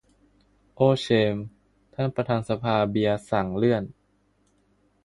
โอเชม ท่านประธานสภาเบียร์สั่งเลื่อน